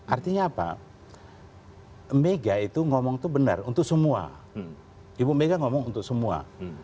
artinya apa mega itu ngomong itu benar untuk semua ibu mega ngomong untuk semua